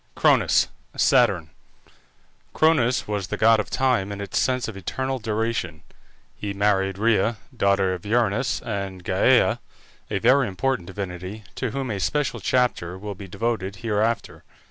CRONUS (SATURN). Cronus was the god of time in its sense of eternal duration. He married Rhea, daughter of Uranus and Gæa, a very important divinity, to whom a special chapter will be devoted hereafter.